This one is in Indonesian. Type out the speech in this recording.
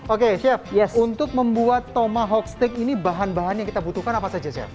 oke chef untuk membuat toma hock steak ini bahan bahan yang kita butuhkan apa saja chef